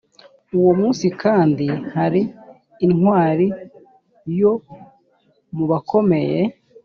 uwo munsi kandi hari intwari yo mu bakomeye